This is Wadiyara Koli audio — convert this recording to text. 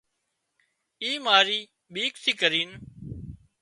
اي ماري ٻيڪ ٿي ڪرينَ